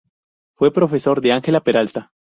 Fue profesor de Ángela Peralta.